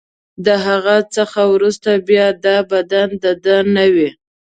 له هغه څخه وروسته بیا دا بدن د ده نه وي.